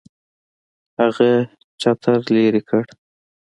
هغه چتر لري کړو.